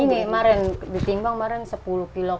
ini ditimbang sepuluh empat kg